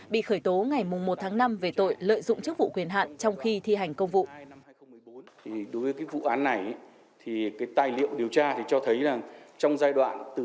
bị khởi tố ngày một tháng năm về tội lợi dụng chức vụ quyền hạn trong khi thi hành công vụ